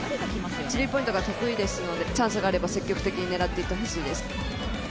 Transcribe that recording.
スリーポイントが得意なので、チャンスがあれば積極的に狙っていってほしいです。